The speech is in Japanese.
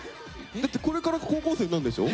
だってこれから高校生になるんでしょ？